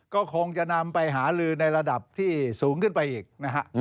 ก็คงจะนำไปหาลือในระดับที่สูงขึ้นไปอีกนะฮะ